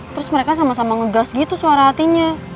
terus mereka sama sama ngegas gitu suara hatinya